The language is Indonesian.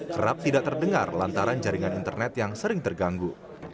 kerap tidak terdengar lantaran jaringan internet yang sering terganggu